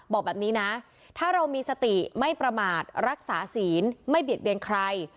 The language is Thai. บอกแบบนี้นะถ้าเรามีสติไม่ประมาทรักษาศีลไม่เบียดเบียนใคร